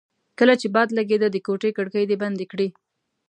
کله چې باد لګېده د کوټې کړکۍ دې بندې کړې.